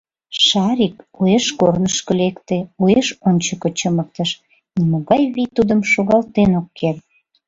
Шарик уэш корнышко лекте, уэш ончыко чымыктыш — нимогай вий тудым шогалтен ок керт.